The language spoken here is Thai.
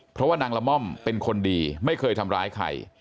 เพราะว่านางละม่อมเป็นคนดีไม่เคยทำร้ายใคร